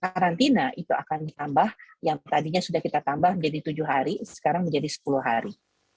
karantina itu akan ditambah yang tadinya sudah kita tambah menjadi tujuh hari sekarang menjadi sepuluh hari